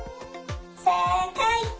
せいかい！